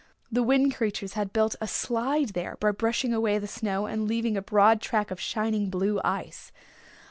The Wind Creatures had built a slide there by brushing away the snow and leaving a broad track of shining blue ice.